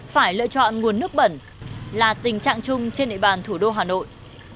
phải lựa chọn nguồn nước bẩn là tình trạng chung trên địa bàn thủ đô hà nội